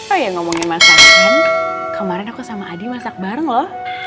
oh ya ngomongin masakan kemarin aku sama adi masak bareng lho